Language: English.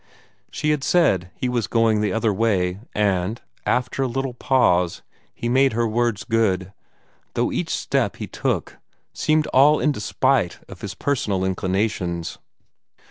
She had said he was going the other way, and, after a little pause, he made her words good, though each step he took seemed all in despite of his personal inclinations.